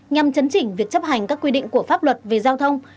nhằm chấn chỉnh việc chấp hành các quy định của pháp luật về giao thông